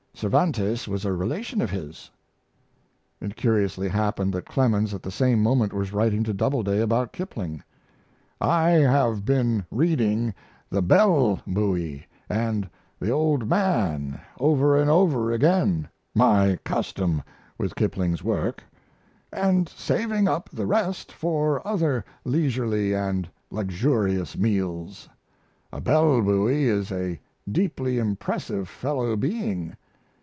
Cervantes was a relation of his. It curiously happened that Clemens at the same moment was writing to Doubleday about Kipling: I have been reading "The Bell Buoy" and "The Old Man" over and over again my custom with Kipling's work and saving up the rest for other leisurely and luxurious meals. A bell buoy is a deeply impressive fellow being.